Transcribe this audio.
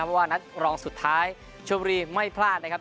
เพราะว่านัดรองสุดท้ายชมบุรีไม่พลาดนะครับ